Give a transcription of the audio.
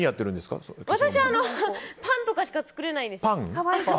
私はパンとかしか作れないんです。